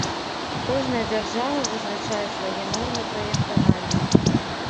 Кожная дзяржава вызначае свае нормы праектавання.